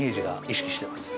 意識してます。